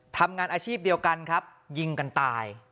ทำงานอาชีพเดียวกันครับยิงกันตาย